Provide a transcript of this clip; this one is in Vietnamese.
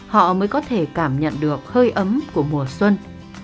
họ mới có thể cảm nhận được hơi ấm của mùa xuân